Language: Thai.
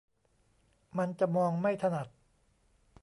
มันจะมองไม่ถนัด